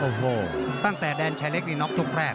โอ้โหตั้งแต่แดนชายเล็กนี่น็อกยกแรก